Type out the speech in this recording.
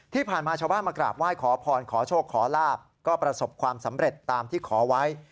ที่ผ่านมาชาวบ้านมากราบไหว้ขอพรขอโชคขอลาบก็ประสบความสำเร็จตามที่ขอไว้